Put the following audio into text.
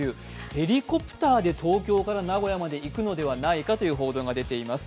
ヘリコプターで東京から名古屋まで行くのではないかという報道が出ています。